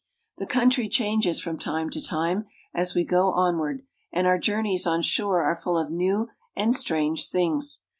The country changes from time to time as we go on ward, and our journeys on shore are full of new and strange things.